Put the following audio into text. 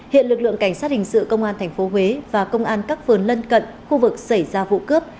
hiện lực lượng cảnh sát hình sự công an tp huế và công an các phường lân cận khu vực xảy ra vụ cướp